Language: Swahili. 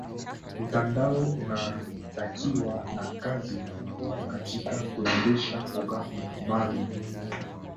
mtandao unatakiwa na kasi kubwa katika kuendesha programu maalum